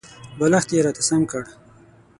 بالښت یې راته سم کړ .